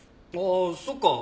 あっそっか！